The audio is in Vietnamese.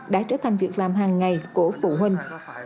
đã trở thành việc làm hàng ngày của phụ huynh